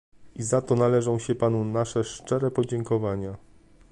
I za to należą się panu nasze szczere podziękowania